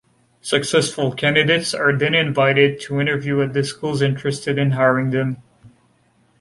Successful candidates are then invited to interview at the schools interested in hiring them.